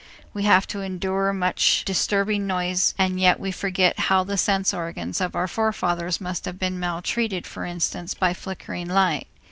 We have to endure much disturbing noise, and yet we forget how the sense organs of our forefathers must have been maltreated, for instance, by flickering light.